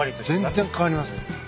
全然変わりますね。